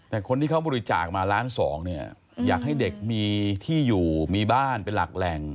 แต่คนที่เขาบริจาคมาล้านสองเนี่ยอยากให้เด็กมีที่อยู่มีบ้านเป็นหลักแหล่ง